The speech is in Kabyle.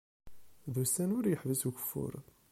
D ussan ur yeḥbis ugeffur.